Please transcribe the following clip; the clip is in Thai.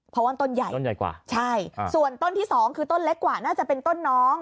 เพราะว่าต้นใหญ่ต้นใหญ่กว่าใช่ส่วนต้นที่สองคือต้นเล็กกว่าน่าจะเป็นต้นน้อง